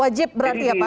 wajib berarti ya pak